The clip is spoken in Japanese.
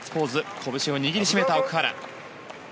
拳を握り締めた奥原。